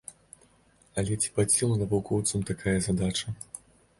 Але ці пад сілу навукоўцам такая задача?